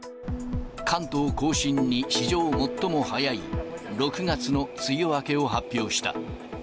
関東甲信に史上最も早い、６月の梅雨明けを発表した。